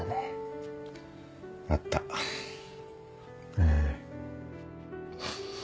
ええ。